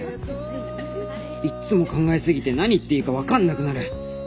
いっつも考えすぎて何言っていいか分かんなくなる